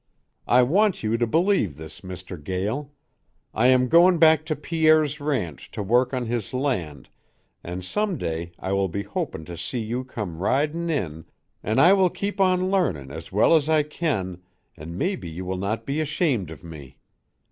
I want you to beleave this, Mister Gael. I am goin back to Pierre's ranch to work on his land an some day I will be hopin to see you come ridin in an I will keep on learnin as well as I can an mebbe you will not be ashamed of me.